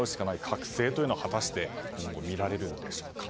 覚醒というのは果たして今後見られるんでしょうか。